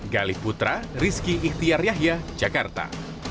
galih putra rizki iktiar yahya jakarta